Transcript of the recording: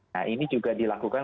nah ini juga dilakukan